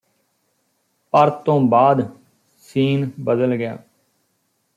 ਪਰ ਤੋਂ ਬਾਅਦ ਸੀਨ ਬਦਲ ਗਿਆ